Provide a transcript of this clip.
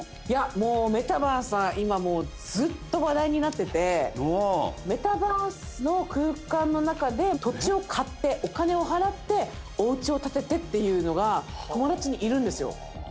いや、もうメタバースは今もう、ずっと話題になってて、メタバースの空間の中で土地を買って、お金を払って、おうちを建ててっていうのが、友達にいるんですよ。